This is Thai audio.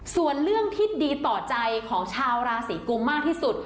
ส่วนเรื่องที่ดีต่อใจของชาวราศีกุมมากที่สุด